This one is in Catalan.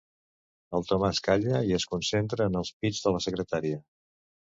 El Tomàs calla i es concentra en els pits de la secretària.